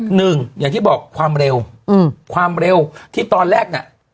อย่างที่บอกความเร็วอืมความเร็วที่ตอนแรกน่ะ